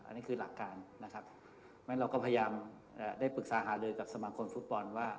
อันนี้คือหลักการนะครับเพราะฉะนั้นเราก็พยายามได้ปรึกษาหาลือกับสมาคมฟุตบอลว่า